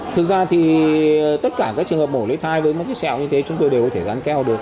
thực ra thì tất cả các trường hợp mổ lấy thai với mẫu cái sẹo như thế chúng tôi đều có thể dán keo được